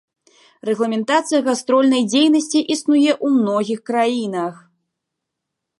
Рэгламентацыя гастрольнай дзейнасці існуе ў многіх краінах.